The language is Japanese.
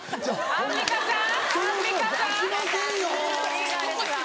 アンミカさん？